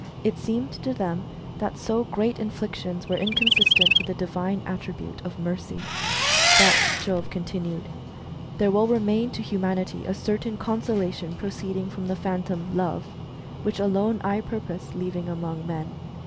It seemed to them that so great inflictions were inconsistent with the divine attribute of mercy. But Jove continued :" There will remain to humanity"^ a certain consolation proceeding from the Phantom Love, which alone I purpose leaving among men.